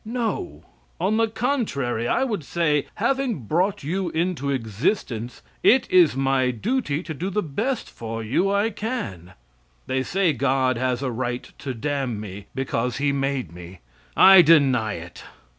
No; on the contrary, I would say, having brought you into existence, it is my duty to do the best for you I can. They say God has a right to damn me because He made me. I deny it.